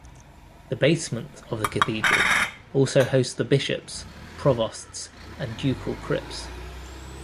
The basement of the cathedral also hosts the Bishops, Provosts and Ducal crypts.